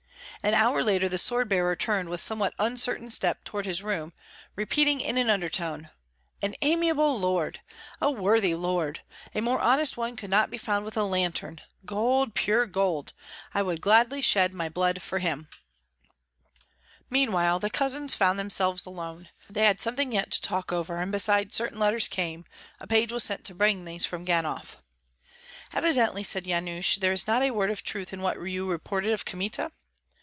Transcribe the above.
An hour later the sword bearer turned with somewhat uncertain step toward his room, repeating in an undertone, "An amiable lord! A worthy lord! A more honest one could not be found with a lantern, gold, pure gold! I would gladly shed my blood for him!" Meanwhile the cousins found themselves alone. They had something yet to talk over, and besides, certain letters came; a page was sent to bring these from Ganhoff. "Evidently," said Yanush, "there is not a word of truth in what you reported of Kmita?"